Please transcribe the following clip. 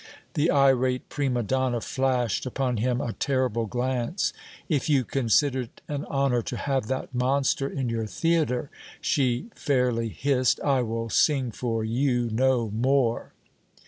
The irate prima donna flashed upon him a terrible glance. "If you consider it an honor to have that monster in your theatre," she fairly hissed, "I will sing for you no more!"